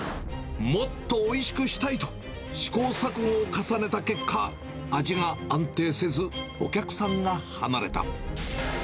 もっとおいしくしたいと、試行錯誤を重ねた結果、味が安定せず、お客さんが離れた。